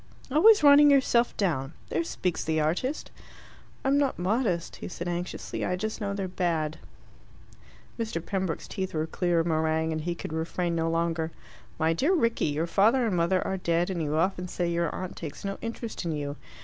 "Always running yourself down! There speaks the artist!" "I'm not modest," he said anxiously. "I just know they're bad." Mr. Pembroke's teeth were clear of meringue, and he could refrain no longer. "My dear Rickie, your father and mother are dead, and you often say your aunt takes no interest in you.